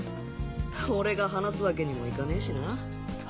俺が話すわけにもいかねえしな。